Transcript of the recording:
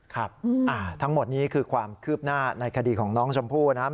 ครับทั้งหมดนี้คือความคืบหน้าในคดีของน้องชมพู่นะครับ